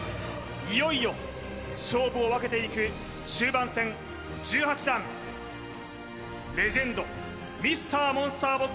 いよいよ勝負を分けていく終盤戦１８段レジェンドＭｒ．モンスター